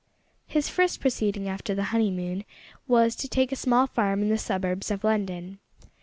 His first proceeding after the honeymoon was to take a small farm in the suburbs of London.